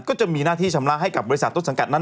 ก็จะมีหน้าที่ชำระให้กับบริษัทต้นสังกัดนั้น